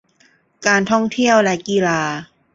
การท่องเที่ยวและกีฬา